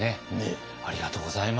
ありがとうございます。